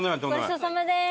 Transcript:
ごちそうさまです。